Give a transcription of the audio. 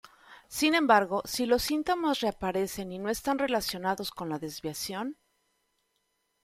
Sin embargo, si los síntomas reaparecen y no están relacionados con la desviación.